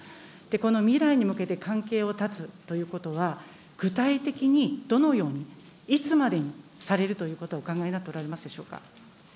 この未来に向けて関係を断つということは、具体的にどのように、いつまでにされるということをお考えになっておられますでしょう